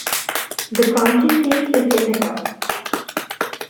The county seat is Ithaca.